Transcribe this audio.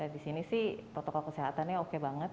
di sini sih protokol kesehatannya oke banget